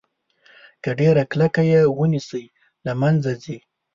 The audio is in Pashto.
که ډیره کلکه یې ونیسئ له منځه ځي.